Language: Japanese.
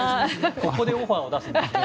ここでオファーを出すんですね。